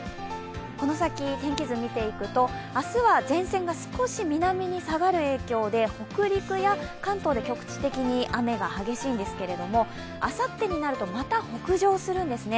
この先、天気図を見ていくと明日は前線が少し南に下がる影響で北陸や関東で局地的に雨が激しいんですけれども、あさってになるとまた北上するんですね。